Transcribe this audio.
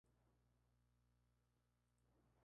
Luis Antonio Barajas Velasco.